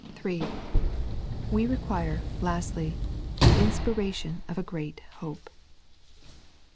(3) We require, lastly, tlie inspiration of a great Hope.